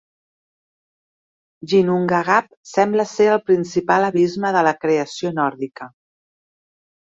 Ginnungagap sembla ser el principal abisme de la creació nòrdica.